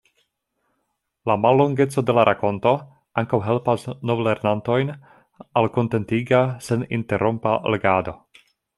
La mallongeco de la rakonto ankaŭ helpas novlernantojn al kontentiga, seninterrompa legado.